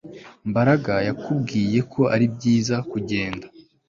Mbaraga yakubwiye ko ari byiza kugenda